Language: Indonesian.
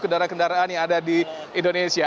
kendaraan kendaraan yang ada di indonesia